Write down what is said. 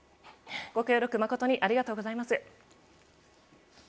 ご協力誠にありがとうございます。